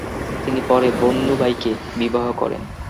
তিনি পরে বন্নুবাইকে বিবাহ করেন।